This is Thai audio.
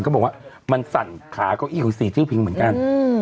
ก็บอกว่ามันสั่นขาก็อี้กว่าสีชื่อพิ่งเหมือนกัน